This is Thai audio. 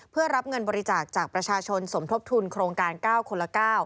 เพื่อรับเงินบริจาคจากประชาชนสมทบทุนโครงการ๙คนละ๙